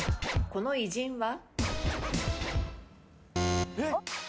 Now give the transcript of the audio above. この偉人は？